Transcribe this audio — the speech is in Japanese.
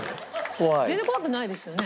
全然怖くないですよね。